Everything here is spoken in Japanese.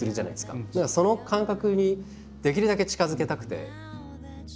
だからその感覚にできるだけ近づけたくて。